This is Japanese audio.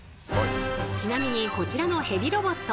ちなみにこちらのヘビロボット